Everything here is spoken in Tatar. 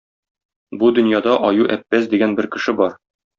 Бу дөньяда Аю-Әппәз дигән бер кеше бар.